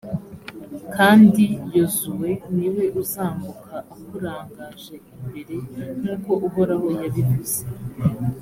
kandi yozuwe ni we uzambuka akurangaje imbere nk’uko uhoraho yabivuze.